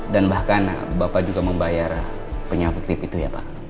dan bahkan bapak juga membayar penyakit tip itu ya pak